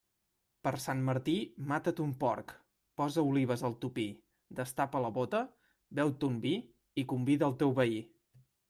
Per Sant Martí mata ton porc, posa olives al topí, destapa la bóta, beu ton vi i convida el teu veí.